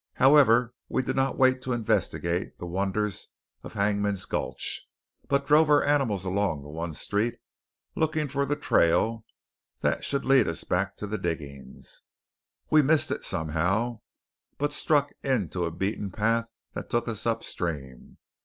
However, we did not wait to investigate the wonders of Hangman's Gulch, but drove our animals along the one street, looking for the trail that should lead us back to the diggings. We missed it, somehow, but struck into a beaten path that took us upstream.